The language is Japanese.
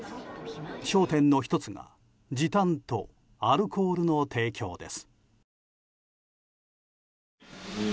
焦点の１つが時短とアルコールの提供です。